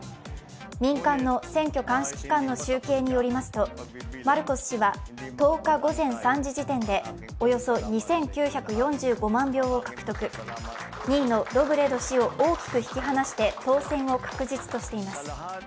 民間の選挙監視機関の集計によりますと、マルコス氏は１０地午前３時時点で２位のロブレド氏を大きく引き離して当選を確実としています。